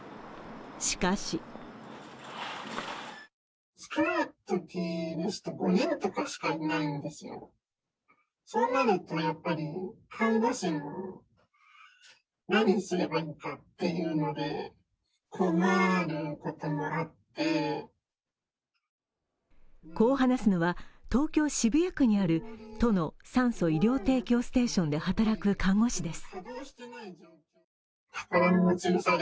しかしこう話すのは、東京・渋谷区にある都の酸素・医療提供ステーションで働く看護師です。